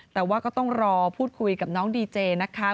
แต่ว่าก็ต้องรอพูดคุยกับน้องดีเจนะคะ